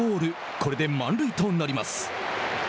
これで満塁となります。